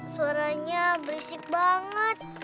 suaranya berisik banget